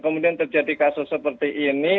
kemudian terjadi kasus seperti ini